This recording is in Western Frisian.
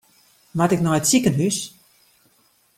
Moat ik nei it sikehús?